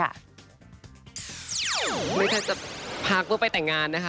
มีใครจะพักว่าไปแต่งงานนะคะ